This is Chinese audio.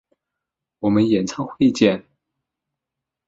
我们演唱会见！